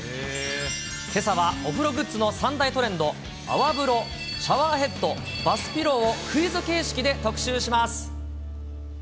けさはお風呂グッズの３大トレンド、泡風呂、シャワーヘッド、バスピローをクイズ形式で特集します。